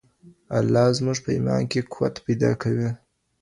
الله زموږ په ایمان کي قوت پیدا کوي.